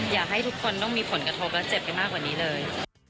อยากให้ทุกคนต้องมีผลกระทบและเจ็บกันมากกว่านี้เลย